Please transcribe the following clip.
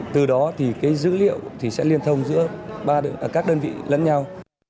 từ đó thì dữ liệu sẽ liên thông giữa các đơn vị lẫn nhau